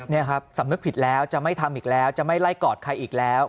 นี่ครับสำนึกผิดแล้วจะไม่ทำอีกแล้วจะไม่ไล่กอดใครอีกแล้ว